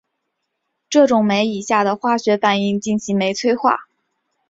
这种酶以下的化学反应进行酶催化。